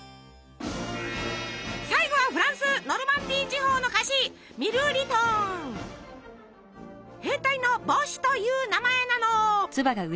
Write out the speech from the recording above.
最後はフランスノルマンディー地方の菓子「兵隊の帽子」という名前なの。